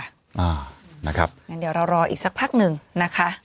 อย่างนั้นเดี๋ยวเรารออีกสักพักหนึ่งนะคะ